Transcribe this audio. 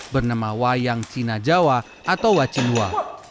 bernama wayang cina jawa atau wacinwa